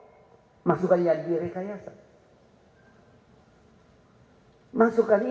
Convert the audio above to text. informasi yang benar benar mencerdikan kejadian sesuai dengan perilaku manusia